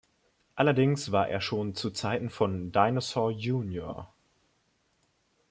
Allerdings war er schon zu Zeiten von Dinosaur Jr.